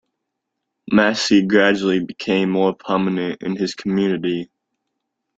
Massey gradually became more prominent in his community.